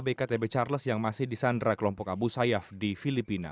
saat ini ada lima abk tb charles yang masih di sandera kelompok abu sayyaf di filipina